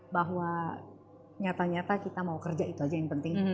bahwa nyata nyata kita mau kerja itu aja yang penting